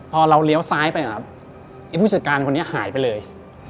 พอเราเลี้ยวซ้ายไปนะครับไอ้ผู้จัดการคนนี้หายไปเลย